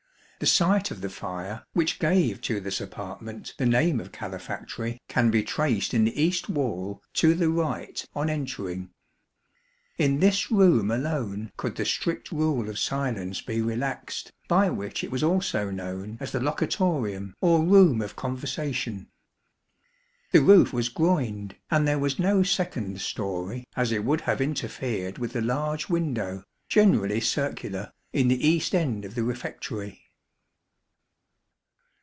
The site of the fire, which gave to this apartment the name of calefactory, can be traced in the east wall to the right on entering. In this room alone could the strict rule of silence be relaxed, by which it was also known as the locutorium, or room of conversation. The roof was groined, and there was no second storey, as it would have interfered with the large window, generally circular, in the east end of the refectory.